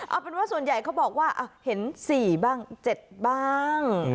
เอาเป็นว่าส่วนใหญ่เขาบอกว่าเห็น๔บ้าง๗บ้าง